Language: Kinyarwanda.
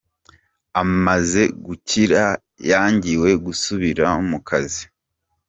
Amaze gukira yangiwe gusubira mu kazi.